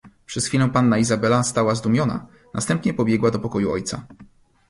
"Przez chwilę panna Izabela stała zdumiona; następnie pobiegła do pokoju ojca."